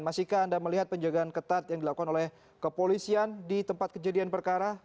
masihkah anda melihat penjagaan ketat yang dilakukan oleh kepolisian di tempat kejadian perkara